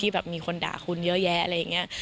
ที่แบบมีคนด่าคุณเยอะแยะ